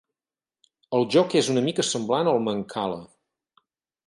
El joc és una mica semblant al mancala.